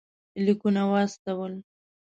لیکونه واستول.